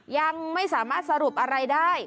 ยังไม่สามารถสรุปอะไรได้